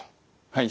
はい。